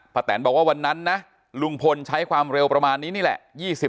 แตนบอกว่าวันนั้นนะลุงพลใช้ความเร็วประมาณนี้นี่แหละ